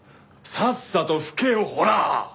さっさと拭けよほら！